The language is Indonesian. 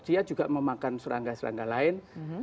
dia juga memakan serangga serangga lain